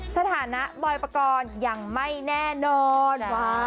สถานะบอยปกรณ์ยังไม่แน่นอน